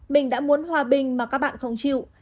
mình đã muốn hòa bình mà các bạn không chịu